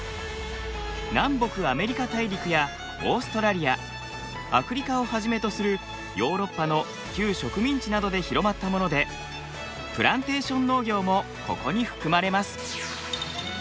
南北アメリカ大陸やオーストラリアアフリカをはじめとするヨーロッパの旧植民地などで広まったものでプランテーション農業もここに含まれます。